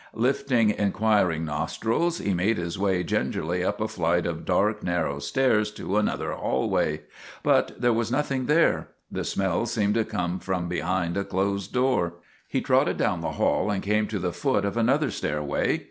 Lifting inquiring nostrils he made his way gingerly up a flight of dark, narrow stairs to another hallway. But there was nothing there; the smells seemed to come from be hind a closed door. He trotted down the hall and came to the foot of another stairway.